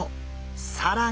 更に！